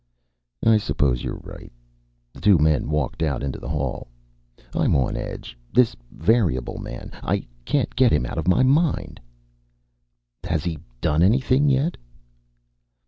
"I suppose you're right." The two men walked out into the hall. "I'm on edge. This variable man. I can't get him out of my mind." "Has he done anything yet?"